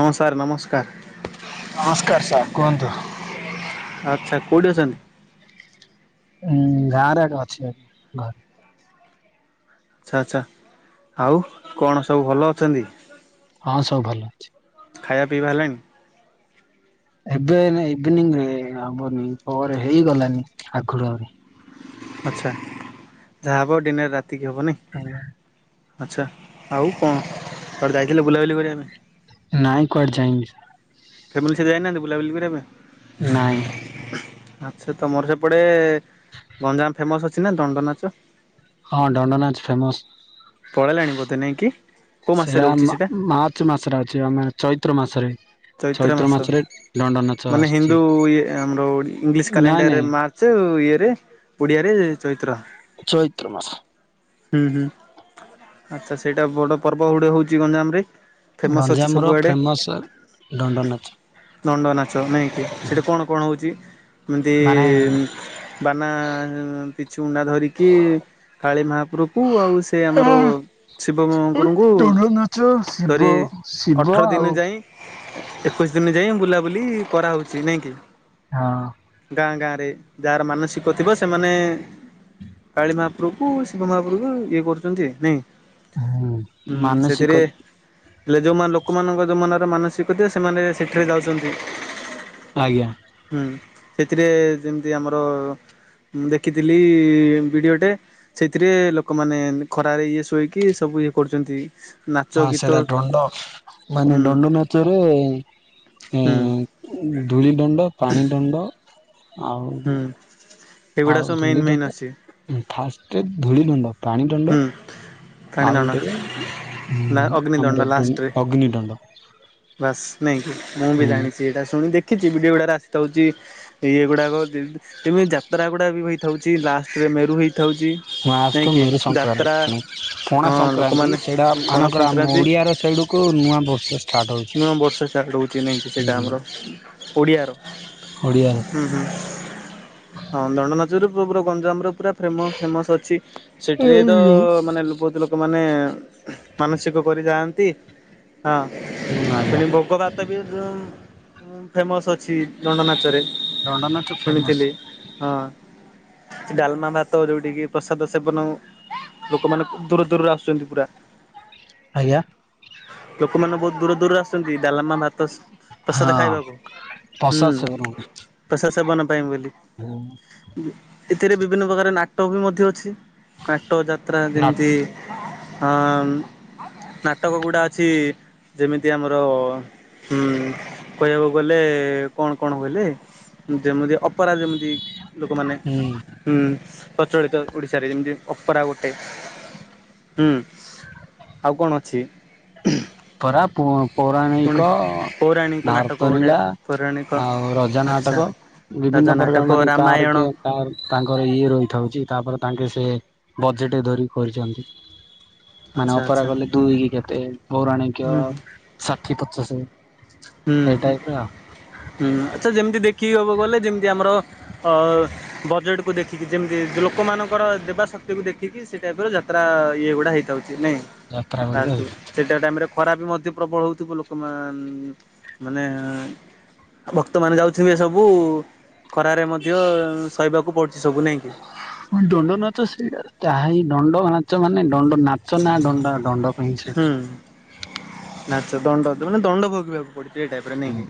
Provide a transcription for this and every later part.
ହଁ ସାର୍ ନମସ୍କାର। ନମସ୍କାର ସାର କୁହନ୍ତୁ। ଆଚ୍ଛା କୋଉଠି ଅଛନ୍ତି? ହୁଁ ଗାଁରେ ଆଗ ଅଛି ଆ ଘରେ। ଆଚ୍ଛା ଆଚ୍ଛା, ଆଉ କଣ ସବୁ ଭଲ ଅଛନ୍ତି? ହଁ ସବୁ ଭଲ ଅଛି। ଖାଇବା ପିଇବା ହେଲାଣି? ଏବେ ଏୟିନେ, ଇଭିନିଂ ରେ ହବନି, ପରେ ହେଇଗଲାନି ଆଗରୁ ଆହୁରି। ଆଚ୍ଛା, ଯାହା ହବ ଆଉ ଡିିନେରେ ରାତିକି ହବନି ନାଇଁ। ହୁଁ। ଆଚ୍ଛା, ଆଉ କଣ କୁଆଡେ ଯାଇଥିଲେ ବୁଲାବୁଲି କରିବା ପାଇଁ। ନାଇଁ କୁଆଡେ ଯାଇଁନି। ଫ୍ୟାମିଲୀ ସହିତ ଯାଇନାହାନ୍ତି ବୁଲାବୁଲିି କରିବା ପାଇଁ? ନାଇଁ। ଆଚ୍ଛା ତମର ସେପଟେ, ଗଞ୍ଜାମ ଫେମସ ଅଛି ନା ଦଣ୍ଡ ନାଚ? ହଁ ଦଣ୍ଡ ନାଚ ଫେମସ ପଳେଇଲାଣି ବୋଧେ ନାଇଁ କିି, କଉ ମାସରେ ରହୁଛି ସେଇଟା? ପାଞ୍ଚ ମାସଟ ଅଛି ଆମେ ଚୈତ୍ର ମାସରେ। ଚୈତ୍ର ମାସ, ମାସରେ ଦଣ୍ଡ ନାଚ ମାନେ ଆସୁଛି ହିନ୍ଦୁ ଇଏ ଆମର ଇଂଲିଶ ନାଇଁ କ୍ୟାଲେଣ୍ଡରରେ ନାଇଁ ମାର୍ଚ ସେ ଇଏରେ ଓଡ଼ିଆରେ ଚୈତ୍ର। ଚୈତ୍ର ମାସ। ହୁଁ ହୁଁ ଆଚ୍ଛା ସେଇଟା ବଡ ପର୍ବ ହୁଡ ହଉଛି ଗଞ୍ଜାମ ରେ। ଫେମସ୍ ଅଛି ଗଞ୍ଜାମର ସବୁଆଡ଼େ ଫେମସ୍ ଦଣ୍ଡ ନାଚ। ଦଣ୍ଡ ନାଚ ନାଇଁକି, ସେଇଠା କଣ କଣ ହଉଛି? ଏମିତି ମାନେ ବାନା, ପିଛୁ ଉଣ୍ଡା ଧରିକି କାଳି ମହାପୁର କୁ, ଆଉ ସେ ଆମର ଶିବ ମ ଗରୁଙ୍କୁ ଦଣ୍ଡ ନାଚ ଶିବ ଧରି, ଶିବ ଅଠର ଆଉ ଦିନ ଯାଇଁ ଏକୋଇଶି ଦିନ ଯାଏଁ, ବୁଲାବୁଲି କରାହଉଛି ନାଇଁ କି? ହଁ। ଗାଁ ଗାଁରେ, ଯାହାର ମାନସିକ ଥିବ ସେମାନେ କାଳୀ ମହାପ୍ରଭୁକୁ, ଶିବ ମହାପ୍ରଭୁକୁ, ଇଏ କରୁଛନ୍ତି ନାଇଁ? ହୁଁ ହୁଁ, ମାନସିକ ସେଥିରେ, ହେଲେ ଯୋଉମାନେ ଲୋକମାନଙ୍କର ଯୋଉ ମନରେ ମାନସିକ ଦେଖୁଥିବେ, ସେମାନେ ସେଠେରେ ଯାଉଚନ୍ତି। ଆଜ୍ଞା। ହୁଁ, ସେଥିରେ ଯେମିତି ଆମର ମୁଁ ଦେଖିଥିଲି ଭିଡ଼ିଓଟେ। ସେଥିରେ ଲୋକମାନେ ଖରାରେ ଇଏ ଶୋଇକି, ସବୁ ଇଏ କରୁଚନ୍ତି। ହଁ, ସେଇଟା ଡଣ୍ଡ, ମାନେ ହୁଁ ଡଣ୍ଡ ନାଚରେ ହୁଁ ଧୂଳି ଦଣ୍ଡ, ପାଣି ଦଣ୍ଡ, ଆଉ ହୁଁ ଏଗୁଡା ଆଉ ସବୁ ମେନ୍ ଧୂଳି ମେନ୍ ଦଣ୍ଡ, ଅଛି। ଫାଷ୍ଟରେ ଧୂଳି ଦଣ୍ଡ, ପାଣୀ ଦଣ୍ଡ। ହୁଁ ଆଉ ପାଣିଦଣ୍ଡ ଗୋଟେ ଉ ଆମର ଅଗ୍ନି ଦଣ୍ଡ। ବାସ ନାଇଁକି, ମୁଁ ବି ହୁଁ ଜାଣିଛି ଏଇଟା, ଶୁଣି ଦେଖିଛି ବିଡିଓ ଗୁଡା ରାସିତା ହଉଛି। ଇଏ ଗୁଡାକ ତମିତି ଯାତ୍ରା ଗୁଡା ବି ହେଇଥାଉଛି, ଲାଷ୍ଟ ରେ ମେରୁ ହେଇ ଥାଉଛି, ମହାରାଷ୍ଟ୍ର ନାହିଁକି ମେରୁ ପଣା ସଂକ୍ରାନ୍ତି, ସେଇଟା ପଣା ମାନଙ୍କର ଆମ ସଂକ୍ରାନ୍ତି ଓଡ଼ିଆର ସାଇଡ଼କୁ ନୂଆ ବର୍ଷେଷ୍ଟ। ମିନିମମ୍ ବର୍ଷ ଚାର୍ଟଉଛି ନହିଁକି ସେଇଟା ହଉଛି ଆମର, ଓଡ଼ିଆର ଓଡ଼ିଆ ହୁଁ ହୁଁ, ହଁ ଦଣ୍ଡ ନାଚରୁ ପୁଅ ଗଞ୍ଜାମର ପୁରା ଫେମ ଫେମସ୍ ଅଛି, ସେଠିରେ ତ ମାନେ ବହୁତ ଲୋକ ଲୋକମାନେ ମାନସିକ କରି ଯାଆନ୍ତି, ହଁ। ଆଜ୍ଞା ସେଠି ଗୋଗ ଭାତ ବି, ଫେମସ୍ ଅଛି। ଦଣ୍ଡ ନାଚରେ, ଦଣ୍ଡ ନାଚ ଫେମସ ଶୁଣିଥିଲି ହଁ। ଡାଲମା ଭାତ, ଯୋଉଠିକି ପ୍ରସାଦ ସେବନ ଲୋକମାନେ, ଦୂର ଦୂରରୁ ଆସୁଛନ୍ତି ପୁରା। ଆଜ୍ଞା। ଲୋକମାନେ ବହୁତ ଦୂର ଦୂରରୁ ଆସୁଛନ୍ତି, ଡାଲମା ଭାତସ ପ୍ରସାଦ ହଁ ଖାଇବାକୁ, ପ୍ରସାଦ ହୁଁ। ସେବନ ପ୍ରସାଦ ସେବନ ପାଇଁ ବୋଲି, ଏଥିରେ ବିଭିନ୍ନ ପ୍ରକାର ନାଟକ ବି ମଧ୍ୟ ଅଛି। ନାଟୋ ଯାତ୍ରା ନା ଯେମିତି, ଅ ନାଟକ ଗୁଡା ଅଛି ଯେମିତି ଆମର ହୁଁ, କହିବାକୁ ଗଲେ କଣ କଣ ବୋଇଲେ ଯେମିତି ଅପେରା ଯେମିତି, ଲୋକମାନେ ହୁଁ ହୁଁ, ପ୍ରଚଳିତ ଓଡିଶାରେ ଯେମିତି, ଅପରା ଗୋଟେ ହୁଁ, ଆଉ କଣ ଅଛି? କରା ପୁଅଁ ପୁଣି ପୌରାଣିକ, ପୌରାଣିକ ନାଟକ ଭାରତ ଗୋଟେ ଲୀଳା ପୌରାଣିକ ଆଉ ରଜା ଆଚ୍ଛା ନାଟକ ରାଜା ବିଭିନ୍ନ ପ୍ରକାର ନାଟକ ମାନେ କାର ରାମାୟଣ କିଏ କା ତାଙ୍କର ଇଏ ରହିଥାଉଛି, ତାପରେ ତାଙ୍କେ ସେ ବଜେଟ ଧରିି କରିଚନ୍ତି। ମାନେ ଆଚ୍ଛା ଅପରା ଆଚ୍ଛା ଗଲେ ଦୁଇ କି କେତେ ପୌରାଣିକ ହୁଁ ଷାଠି ପଚାଶେ ହୁଁ ହୁଁ ଆଚ୍ଛା ଯେମିତି ଦେଖିକି ହବ ଗଲେ ଯେମିତି ଆମର ଅ ବଜେଟ କୁ ଦେଖିକି ଯେମିତି ଲୋକମାନଙ୍କର ଦେବା ଶକ୍ତିକୁ ଦେଖିକି ସେ ଟାଇପ ର ଜ ତ୍ରା ଇଏ ଗୁଡ଼ା ହେଇଥାଉଛି ନାଇଁ? ଯାତ୍ରା ଗୁଡିକ ଆଲୁ ହେଇଥାଏ ସେଟା ଟାଇମରେ ଖରା ବି ମଧ୍ୟ ପ୍ରବଳ ହଉଥିବ ଲୋକମାନ ମାନେ ଭକ୍ତମାନେ ଯାଉଥିବେ ସବୁ। ଖରାରେ ମଧ୍ୟ ସହିବାକୁ ପଡ଼ୁଛି ସବୁ ନାଇଁକି। ଦଣ୍ଡ ନାଚ ସେଇଆ ତାହା ହିଁ ଦଣ୍ଡ ନାଚ ମାନେ ଦଣ୍ଡ ନାଚ ନା ଦଣ୍ଡ ଦଣ୍ଡ ପାଇଁ ସେ ହୁଁ ନାଚ ଦଣ୍ଡ ମାନେ ଦଣ୍ଡ ଭୋଗିବା ଗୋଟିଏ ଟାଇପ୍ ର ନାଇଁକି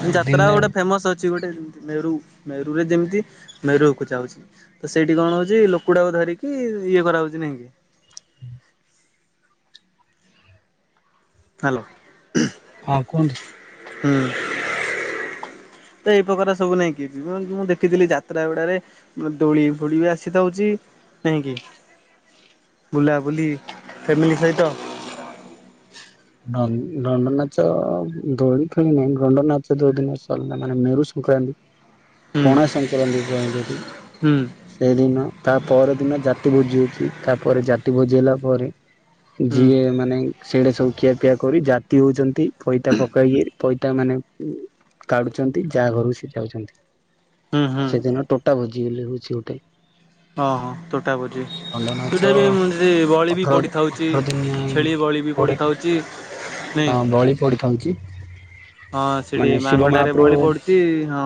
ହୁଁ ଯାତ୍ରା ଗୋଟେ ଫେମସ୍ ଅଛି। ଛି ଗୋଟେ ମେରୁ ମେରୁ ରେ ଯେମିତି ମେରୁଅକୁ ଯାଉଚି। ତ ସେଇଠି କଣ ହଉଛି ଲୋକଟାକୁ ଧରିକି ଇଏ କରାହଉଛି ନାଇଁକି? ହ୍ୟାଲୋ। ହଁଗକଙ୍ଗସ୍ ହୁଁ। ତ ଏଇ ପ୍ରକାର ସବୁ ନାଇଁ କି ଦୂରରୁ ମୁଁ ଦେଖିଥିଲି ଯାତ୍ରା ଗୁଡ଼ାରେ। ଦୋଳି ଫୋଳି ବି ଆସିଥାଉଛି ନାଇଁ କି? ବୁଲାବୁଲି ଫ୍ୟାମିଲି ସହିତ। ହଁ ଦନ୍ ଦଣ୍ଡ ନାଚ ଦୋଳି ଖେଳି ନାହିଁ ଦଣ୍ଡ ନାଚ ଯୋଉ ଦିନ ସରିଲା ମାନେ ମେରୁ ସଂକ୍ରାନ୍ ହଁ ପଣା ସଂକ୍ରାନ୍ତି କୁହନ୍ତି ସେଠି। ହୁଁ ସେଇଦିନ ତାପର ଦିନ ଜାତି ଭୋଜି ହଉଛି ତାପରେ ଜାତି ଭୋଜି ହେଲା ପରେ ହୁଁ ଯିଏ ମାନେ ସେଣ୍ଡେ ସବୁ ଖିଆ ପିଆ କରି ଜାତି ହଉଛନ୍ତି ପଇତା ପକା ଇଏ। ପଇତା ମାନେ କାଢ଼ୁଛନ୍ତି ଯାହା ଘରୁ ସେ ଯାଉଛନ୍ତି ହୁଁ ହୁଁ ସେଦିନ ଭୋଜି ବୋଲି ହଉଚି ଗୋଟେ। ହଁ ହଁ ତୋଟା ଭୋଜି ଦଣ୍ଡ ନାଚ ସେଇଟା ବି ମୁ ଯି ବଳି ବି ଅଠର ପଡ଼ିଥାଉଚି। ଅଠର ଦିନିଆ ଛେଳି ବଳି ବି କୋଡେ ପଡ଼ିଥାଉଚି। ନାଇଁ ବଳି ପଡିଥାଉଛି ହଁ ସେଠି ମାନେ ଶିବ ମାଙ୍କ ଠାରେ ମହାପ୍ରଭୁ ବଳି ପଡ଼ୁ ଚି ହଁ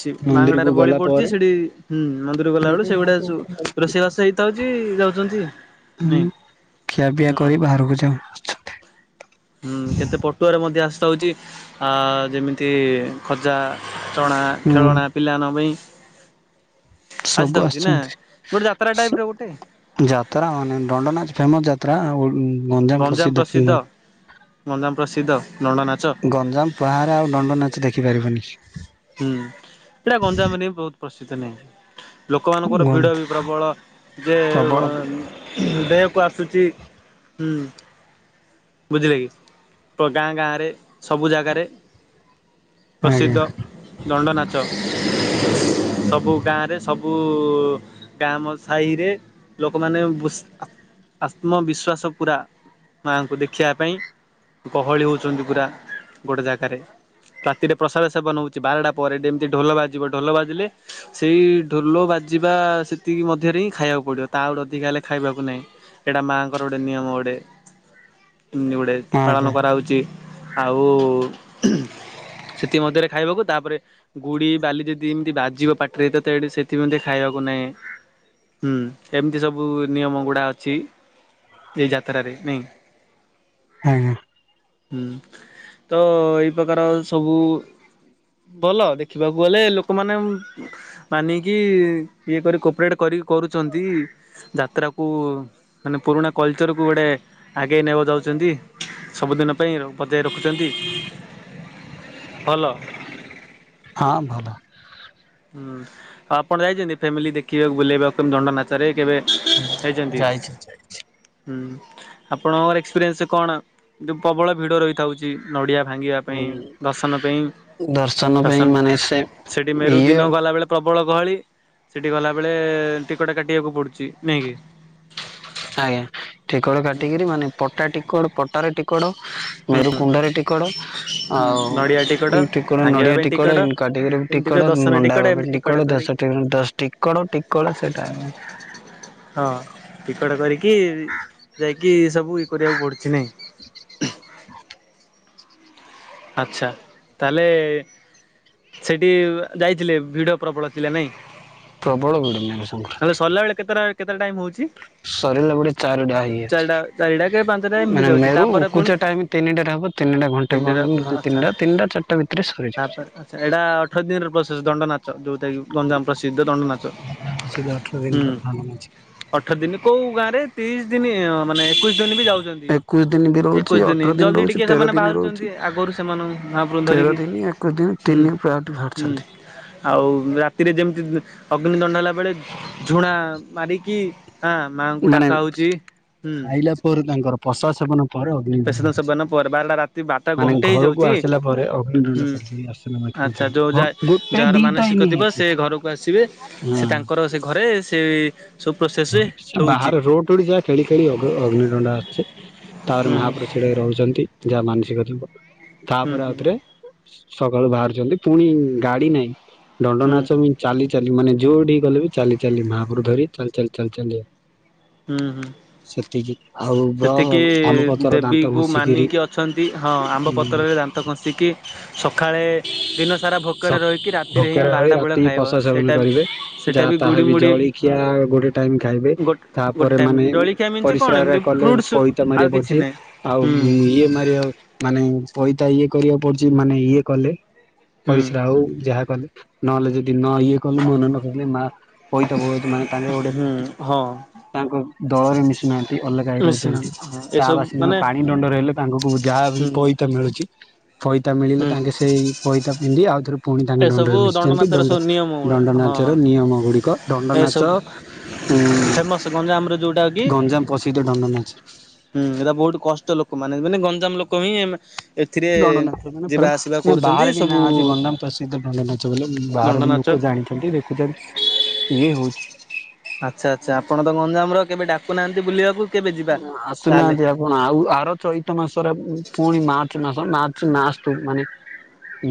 ସି ମାଙ୍କ ମନ୍ଦିରକୁ ଠାରେ ବଳି ଗଲା ପଡ଼ୁଛି ପରେ ସେଠି ହୁଁ ମନ୍ଦିର ହୁଁ ଗଲାବେଳେ ସେଗୁଡ଼ା ସୁ ରୋଷେଇବାସ ହେଇଥାଉଛି ଯାଉଚନ୍ତି। ହୁଁ ଖିଆପିଆ କରି ବାହାରକୁ ଯାଅ। ହୁଁ କେତେ ପଟୁଆରେ ମଧ୍ୟ ଆସିଥା ହେଉଛି ଆ ଯେମିତି ଖଜା ଚଣା ହୁଁ ଖେଳଣା ପିଲା ମାନଙ୍କ ପାଇଁ। ସବୁ ଆସିଥାଉଛି ନା ଆସିଚନ୍ତି ଗୋଟେ ଯାତ୍ରା ଟାଇପ ସ ର ଗୋଟେ। ଯାତ୍ରା ମାନେ ଦଣ୍ଡନାଚ୍ ଫେମସ୍ ଯାତ୍ରା ଗଞ୍ଜାମ ପ୍ରସିଦ୍ଧ [unintelligible] ଗଞ୍ଜାମ ପ୍ରସିଦ୍ଧ ନଣ୍ଡ ନାଚ। ଗଞ୍ଜାମ ପାରେ ଆଉ ଦଣ୍ଡ ନାଚ ଦେଖିପାରିବୁନି। ହୁଁ ଏଇଟା ଗଞ୍ଜାମରେ ବି ବହୁତ ପ୍ରସିଦ୍ଧ ନାଇଁ କି? ଲୋକମାନଙ୍କର ଭିଡ଼ ବି ପ୍ରବଳ ଯେ ପ୍ରବଳ ଦେହକୁ ଆସୁଛି ହୁଁ। ବୁଝିଲେ କି ତ ଗାଁ ଗାଁରେ ସବୁ ଜାଗାରେ ଆଜ୍ଞା ପ୍ରସିଦ୍ଧ। ଦଣ୍ଡ ନାଚ ସବୁ ଗାଁରେ ସବୁ ଗାମ ସାହିରେ ଲୋକମାନେ ଉପସ୍ ଆତ୍ମବିଶ୍ଵାସ ପୁରା। ମାଆଙ୍କୁ ଦେଖିବା ପାଇଁ। ଗହଳି ହୋଉଛନ୍ତି ପୁରା ଗୋଟେ ଜାଗାରେ ରାତିରେ ପ୍ରସାଦ ସେବନ ହୋଉ ବାରଟା ପରେ ଏମିତି ଢୋଲ ବାଜିବ ଢୋଲ ବାଜିଲେ ସେଇ ଢୋଲ ବାଜିବା ସେତିକି ମଧ୍ୟରେ ହିଁ ଖାଇବାକୁ ପଡିବ ତା ଗଡ ଅଧିକା ହେଲେ ଖାଇବାକୁ ନାହିଁ। ଏଇଟା ମାଆଙ୍କର ଗୋଟେ ନିୟମ ଗୋଟେ ପାଳନ ଆଜ୍ଞା କରାହୋଉଛି ଆଉ ସେଥିମଧ୍ୟରେ ଖାଇବାକୁ ତାପରେ ଗୁଡି ବାଲି ଯଦି ଏମିତି ବାଜିବ ପାଟିରେ ତତେ ହେଠି ସେଥି ମଧ୍ୟ ଖାଇବାକୁ ନାହିଁ। ହୁଁ ଏମିତି ସବୁ ନିୟମ ଗୁଡା ଅଛି। ଏ ଯାତ୍ରାରେ ନାଇଁ ଆଜ୍ଞା। ହୁଁ ତ ଏଇ ପ୍ରକାର ସବୁ ଭଲ ଦେଖିବାକୁ ଗଲେ ଲୋକମାନେ ମାନିକି ଇଏ କରି କୋପରେଟ୍ କରି କରୁଛନ୍ତି ଯାତ୍ରାକୁ ମାନେ ପୁରୁଣା କଲଚରକୁ ଗୋଟେ ଆଗେଇ ନେବା ଯାଉଛନ୍ତି ସବୁଦିନ ପାଇଁ ଆଉ। ବଜାୟ ରଖୁଛନ୍ତି ଭଲ। ହଁ ଭଲ। ହୁଁ ଆଉ ଆପଣ ଯାଇଛନ୍ତି ଫ୍ୟାମିଲି ଦେଖିବାକୁ ବୁଲେଇବା କେମିତି ଦଣ୍ଡ ନାଚରେ କେବେ? ହେଇଛନ୍ତି। ଯାଇଛି ହୁଁ ଆପଣଙ୍କର ଏକ୍ସପିରିଏନ୍ସ କଣ ଯଉ ପ୍ରବଳ ଭିଡ ରହିଛି? ଉଥାହୋଉଛି ନଡ଼ିଆ ଭାଙ୍ଗିବା ପାଇଁ ଦର୍ଶନ ପାଇଁ। ଦର୍ଶନ ପାଇଁ ତାସନ୍ ମାନେ ସେ ସେଠି ଇଏ ମେରୁଦ୍ଦିନ ଗଲା। ଗଲା ବେଳେ ପ୍ରବଳ ଗହଳି ସେଠି ଗଲାବେଳେ ଟିକଟ କାଟିବାକୁ ପଡୁଛି ନାଇଁ କି। ଆଜ୍ଞା ଟିକଟ କାଟିକିରି ମାନେ ପଟା ଟିକଟ ପଟାରେ ଟିକଟ। ହୁଁ ମେରୁ କୁଣ୍ଡାରେ ଟିକଟ ଆଉ ନଡିଆ ଟିକଟ ଏ ଟିକଟ ଭାଙ୍ଗିବା ନଡ଼ିଆ ପାଇଁ ଟିକଟ ଏନ୍ତି କାଟିକିରି। ଏମିତି କ ଟିକଟ ଦର୍ଶନ ନଣ୍ଡା ଟିକଟ ଏମିତି ଭବେ ଟିକଟ ଦଶ କରିକି ଦଶ୍ ଟିକଟ ଟିକଡ଼ ସେଟା ହଁ ଟିକଟ କରିକି ଯାଇକି ସବୁ ଇଏ କରିବାକୁ ପଡୁଛି ନାଇଁ। ଆଛା ତାହେଲେ ସେଠି ଯାଇଥିଲେ ଭିଡ ପ୍ରବଳ ଥିଲା ନାଇଁ। ପ୍ରବଳ ଭିଡ ମେରୁ ନହେଲେ ସରିଲାବେଳେ କେତେଟା କେତେଟା ଟାଇମ୍ ହୋଉଚି? ସରିଲାବେଳେ ଚାରିଟା ଚାରିଟା କି ପାଞ୍ଚଟା ହେଇଯାଉଛି। ଏମିତି ମାନେ ଯାଉଛି ମେରୁ ତାପରେ ପୁଣି ଉପକୁଚା ଟାଇମ ତିନିଟାରେ ହେବ ତିନଟା ଘଣ୍ଟେ ତିନିଟା ଘଣ୍ ତିିଟା ତିନିଟା ଚାରିଟା ଭିତରେ ସରିଯାଉଛି। ଆଛା ଏଇଟା ଅଠର ଦିନ ର ପ୍ରୋସେସ ଦଣ୍ଡ ନାଚ ଯୋଉଟା କି ଗଞ୍ଜାମ। ପ୍ରସିଦ୍ଧ ଦଣ୍ଡନାଚ ଅଠର ଦିନର ହୁଁ। ଭାବନା ଅଛି ଅଠର ଦିନ କୋଉ ଗାଁ ରେ ତିରିଶ ଦିନି ମାନେ ଏକୋଇଶି ଦିନ ବି ଯାଉଛନ୍ତି। ଏକୋଇଶି ଦିନ ବି ରହୁଛି ଏକୋଇଶ ଦିନି ଅଠର ଦିନ ଜଲଦି ରହୁଛି ଟିକେ ତେର ସେମାନେ ଦିନ ରହୁଛି ବାହାରୁଛନ୍ତି ଆଗରୁ ସେମାନଙ୍କୁ ମାହାପୁରୁଙ୍କୁ ତେର ଧରିକି ଦିନ ଏକୋଇଶି ଦିନ ହୁଁ ତିନି ପ୍ରାୟଟି ହୁଁ। ବାହାରିଛନ୍ତି ଆଉ ରାତିରେ ଯେମିତି ଅଗ୍ନି ଦଣ୍ଡ ହେଲା ବେଳେ ଝୁଣା ମାରିକି ହାଁ ମାଆଙ୍କୁ ଡାକା ହଉଚି ହୁଁ। ଭୋରୁ ତାଙ୍କର ପ୍ରଶାଦ ସେବନ ପରେ ପ୍ରସାଦ ଅଗ୍ନି ସେବନ ପରେ ବାରଟା ରାତି ବାରଟା ମାନେ ଘଣ୍ଟେ ଘରକୁ ହେଇଯାଉଛି ଆସିଲା ପରେ ଅଗ୍ନିଦଣ୍ଡ ହୁଁ। କରିଦେଇ ଆସିଲା ପାଖରେ ଆଚ୍ଛା ଯୋଉ ଯା ଗୋଟେ ଯାହାର ଦିଟା ମାନସିକ ହିଁ ଥିବ ହେଇଛି ସେ ଘରକୁ ଆସିବେ। ସେ ହଁ। ତାଙ୍କର ସେ ଘରେ ସେ ସବୁ ପ୍ରୋସେସ ହଉଛି ବାହାରେ ରୋଡ ଯାଏ ଖେଳି ଖେଳି ଅଗ୍ ଅଗ୍ନି ଦଣ୍ଡା ଆସୁଚି ତାପରେ ହୁଁ ହୁଁ ମାହାପୁରୁ ସେଇଟା ରେ ରହୁଛନ୍ତି। ଯାହା ମାନସିକ ଥିବ ହୁଁ ତାପରେ ହୁଁ ଆଉଥରେ ସକାଳୁ ବାହାରୁଛନ୍ତି ପୁଣି ଗାଡି ନାହିଁ ଦଣ୍ଡ ହୁଁ ନାଚ ବି ଚାଲି ଚାଲି ମାନେ ଯୋଉଠିକି ଗଲେ ବି ଚାଲି ଚାଲି ମାହାପୁରୁ ଧରି ଚାଲି ଚାଲି ଚାଲି ଚାଲି ଯିବ। ହୁଁ ହୁଁ। ସେତିକି। ବ୍ର ସେତିକି ଆମ ପତର ଦାନ୍ତ ଦେବୀକୁ ଘଷିକିରି ମାନିକି ଅଛନ୍ତି ହଁ ଆମ୍ବ ପତ୍ରରେ ଦାନ୍ତ ଘସିକି ସକାଳେ ଦିନସାରା ସ ଭୋକରେ ରହିକି ରାତିରେ ହିଁ ଭୋକରେ ରହି ବାରଟା ବେଳେ ରାତି ଖାଇବ ପଶା ସେବନ ସେଇଟା କରିବେ ବି ସେଇଟା ଯାହା ତାହା ଗୁଡ଼ି ବି ମୁଡ଼ି ହଁ ଜଳିଖିଆ ଗୋଟେ ଟାଇମ୍ ଖାଇବେ ଗୋ ଗୋଟେ ତାପରେ ଟାଇମ୍ ମାନେ ଜଳିଖିଆ ମିନ୍ସ କଣ ପରିସ୍ରା ରା ଏମିତି କ ବେଳେ ଫ୍ରୁଟସ୍ ପଇତା ଆଉ ମାରିବା କିଛି ପଡ଼ୁଛି ନାହିଁ। ଆଉ ହୁଁ ଇଏ ମାରିବା ଆଉ। ମାନେ ପଇତା ଇଏ କରିବାକୁ ପଡୁଛି ମାନେ ଇଏ କଲେ ହୁଁ ପରିସ୍ରା ଆଉ ଯାହା କଲେ ନହେଲେ ଯଦି ନ ଇଏ କଲୁ ମନ ନପଡିଲେ ମା ପଇତା ବ ମାନେ କାନରେ ଗୋଟେ ହୁଁ ହଁ। ତାଙ୍କ ଦଳରେ ମିଶୁ ନାହାଁନ୍ତି ଅଲଗା ହେଇ ନିଶ୍ଚିନ୍ତ ରହୁଛନ୍ତି। ହଁ ତା ଏସବୁ ବାସିଦିନ ମାନେ ପାଣି ଦଣ୍ଡରେ ହେଲେ ତାଙ୍କଙ୍କୁ ଯାହା ବି ହୁଁ ପଇତା ମିଳୁଚି ପଇତା ମିଳିଲେ ହୁଁ ତାଙ୍କେ ସେଇ ପଇତା ପିନ୍ଧି ଆଉ ଥରେ ପୁଣି ତାଙ୍କ ଏସବୁ ଦଣ୍ଡରେ ମିଶୁଛନ୍ତି ଦଣ୍ଡନାଚର ସବୁ ଦଣ୍ଡ ନିୟମ ଗୁଡା ଦଣ୍ଡ ହଁ ନାଚର ନିୟମ ଗୁଡିକ ଦଣ୍ଡ ନାଚ ଏସବୁ ହୁଁ ଫେମସ ଗଞ୍ଜାମରେ ଯୋଉଟା କି ଗଞ୍ଜାମ ପ୍ରସିଦ୍ଧ ଦଣ୍ଡନାଚ। ହୁଁ ଏଇଟା ବହୁତ୍ କଷ୍ଟ ଲୋକ ମାନେ ମାନେ ଗଞ୍ଜାମ ଲୋକ ହିଁ ମ ଏଥିରେ ଦଣ୍ଡ ନାଚ ମାନେ ଯିବା ଆସିବା ମାନେ କରୁଛନ୍ତି ବାହାରେ ବି ନାଁ ସବୁ ଅଛି ଗଞ୍ଜାମ ପ୍ରସିଦ୍ଧ ଦଣ୍ଡ ନାଚ ବଲି ବାହାର ଦଣ୍ଡ ବି ନାଚ ଲୋକ ଜାଣିଛନ୍ତି ଦେଖୁଛନ୍ତି ଇଏ ହଉଛି। ଆଚ୍ଛା ଆଚ୍ଛା ଆପଣ ତ ଗଞ୍ଜାମ ର କେବେ ଡାକୁ ନାହାଁନ୍ତି ବୁଲିବାକୁ କେବେ ଯିବା ଆଁ ଆସୁ ତାହେଲେ ନାହାଁନ୍ତି ଆଉ କଣ ଆଉ ଆର ଚଇତ ମାସରେ ପୁଣି ମାର୍ଚ୍ଚ ମାସ ମାର୍ଚ୍ଚ ନାଷ୍ଟ କୁ ମାନେ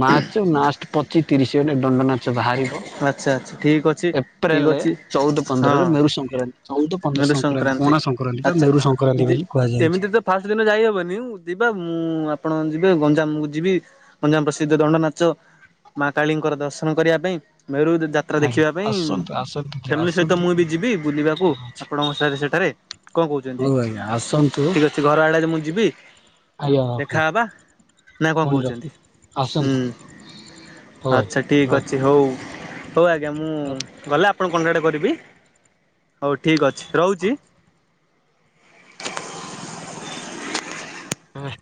ମାର୍ଚ୍ଚ ନାଷ୍ଟ ପଚିସି ତିରିଶ ଆଡ଼େ ଦଣ୍ଡ ନାଚ ବାହାରି ହବ ଆଚ୍ଛା ଆଚ୍ଛା ଠିକ ଅଛି ଠିକ ଏପ୍ରେଲେ ଅଛି ଚଉଦ ପନ୍ଦରରେ ହଁ ମେରୁ ସଂକ୍ରାନ୍ତି ଚଉଦ ପଣା ସଂକ୍ରାନ୍ତି ପଣା ସଂକ୍ରାନ୍ତି ବା ଆଚ୍ଛା ମେରୁ ସଂକ୍ରାନ୍ତି ଦି ବୋଲି ଏମିତି କୁହାଯାଉଛି। ତ ଫାଷ୍ଟ ଦିନ ଯାଇହବନି ଯିବା ମୁଁ ଆପଣ ଯିବେ ଗଞ୍ଜାମ ମୁଁ ଯିବି ଗଞ୍ଜାମ ପ୍ରସିଦ୍ଧ ଦଣ୍ଡ ନାଚ ମା କାଳୀଙ୍କର ଦର୍ଶନ କରିବା ପାଇଁ ମେରୁ ଯ ଯା ତ୍ରା ଆଜ୍ଞା ଦେଖିବା ପାଇଁ ଆସନ୍ତୁ ଆସନ୍ତୁ କି ଫ୍ୟାମିଲି ସହିତ ଆସନ୍ତୁ ମୁଁ ବି ଯିବି ବୁଲିବାକୁ ଆପଣଙ୍କ ସିଆଡ଼େ ସେଠାରେ କଣ କହୁଛନ୍ତି ହଉ ଆଜ୍ଞା ଆସନ୍ତୁ ଠିକ୍ ଅଛି ଘର ଆଡେ ଯେ ମୁଁ ଯିବି? ଆଜ୍ଞା ରଖନ୍ତୁ। ଦେଖାହବା ନା କଣ ପୁଣି ରଖ କହୁଛନ୍ତି ହୁଁ ଆସନ୍ତୁ ହଉ ଆଜ୍ଞା ଆଚ୍ଛା ଠିକ୍ ରହ ଅଛି ହଉ। ହଉ ଆଜ୍ଞା ମୁଁ ଗଲେ ଆପଣଙ୍କୁ କଣ୍ଟାକ୍ଟ କରିବି ହେଉ ଠିକ୍ ଅଛି ରହୁଛି। ହଁ।